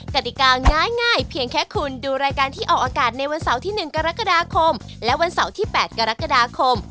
กติกาง่ายเพียงแค่คุณดูรายการที่ออกอากาศในวันเสาร์ที่๑กรกฎาคมและวันเสาร์ที่๘กรกฎาคม